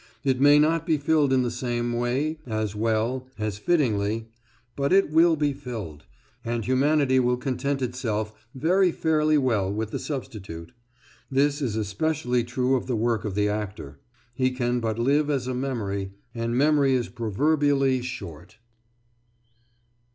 It may not be filled in the same way, as well, as fittingly, but it will be filled, and humanity will content itself very fairly well with the substitute. This is especially true of the work of the actor. He can but live as a memory, and memory is proverbially short.